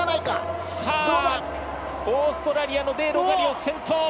オーストラリアのデロザリオ、先頭！